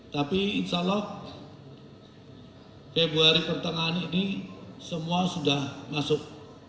tapi insya allah februari pertengahan ini semua sudah masuk